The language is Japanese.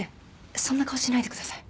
そんな顔しないでください。